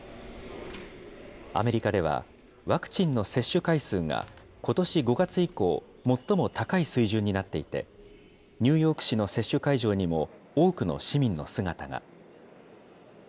アメリカでは、ワクチンの接種回数がことし５月以降、最も高い水準になっていて、ニューヨーク市の接種会場にも多くの市民の姿が。